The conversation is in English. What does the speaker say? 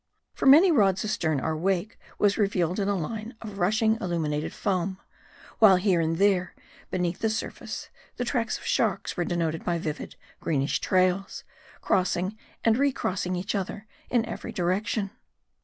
For many rods astern our wake was revealed in a line of rushing illuminated foam ; while here and there beneath the surface, the tracks of sharks were denoted by vivid, greenish trails, crossing and recross ing each other in every direction.